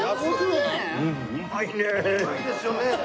うまいですよね。